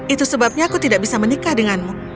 itu sebabnya aku tidak bisa menikah denganmu